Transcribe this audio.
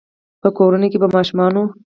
په کورونو کې به ماشومانو،